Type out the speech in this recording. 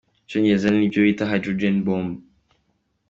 Mu cyongereza niyo bita Hydrogen bomb.